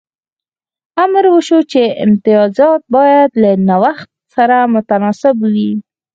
امر وشو چې امتیازات باید له نوښت سره متناسب وي